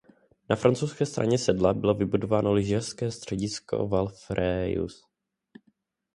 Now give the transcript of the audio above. Na francouzské straně sedla bylo vybudováno lyžařské středisko Valfréjus.